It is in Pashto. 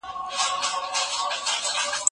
نړیوال روغتیایي سازمان څه رول لري؟